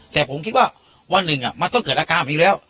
แต่ผมคิดว่าวันหนึ่งมันต้องเกิดอาการผมอีกแล้ว